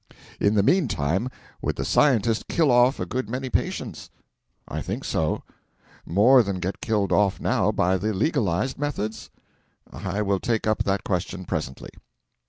In the meantime would the Scientist kill off a good many patients? I think so. More than get killed off now by the legalised methods? I will take up that question presently.